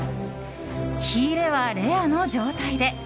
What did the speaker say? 火入れはレアの状態で。